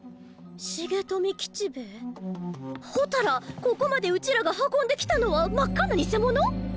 ほたらここまでうちらが運んで来たのは真っ赤な偽物？